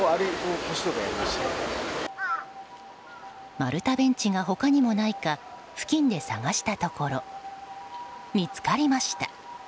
丸太ベンチが他にもないか付近で探したところ見つかりました。